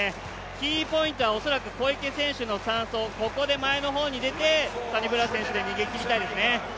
キーポイントは恐らく小池選手の３走前の方に出てサニブラウン選手で逃げ切りたいですね。